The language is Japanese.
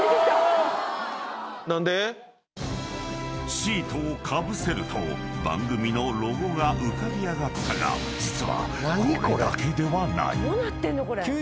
［シートをかぶせると番組のロゴが浮かび上がったが実は］